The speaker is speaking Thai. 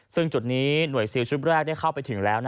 ซึ่งจุดนี้หน่วยซิลชุดแรกได้เข้าไปถึงแล้ว